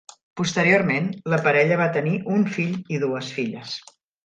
Posteriorment, la parella va tenir un fill i dues filles.